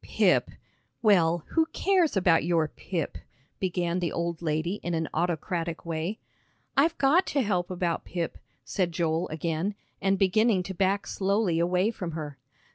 "Pip! Well, who cares about your Pip?" began the old lady in an autocratic way. "I've got to help about Pip," said Joel again, and beginning to back slowly away from her.